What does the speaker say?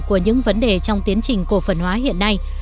của những vấn đề trong tiến trình cổ phần hóa hiện nay